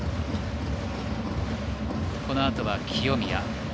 このあとは清宮。